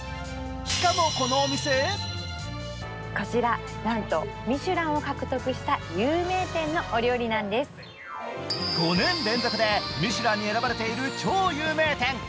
しかも、このお店５年連続でミシュランに選ばれている超有名店。